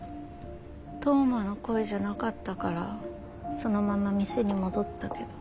当麻の声じゃなかったからそのまま店に戻ったけど。